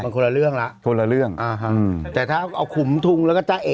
มันคนละเรื่องละคนละเรื่องอ่าฮะแต่ถ้าเอาขุมทุงแล้วก็จ้าเอ๋